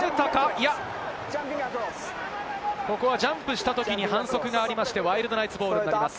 いや、ここはジャンプしたときに反則がありまして、ワイルドナイツボールになります。